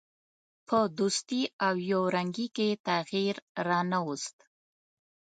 په دوستي او یو رنګي کې یې تغییر را نه ووست.